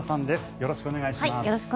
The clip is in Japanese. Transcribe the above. よろしくお願いします。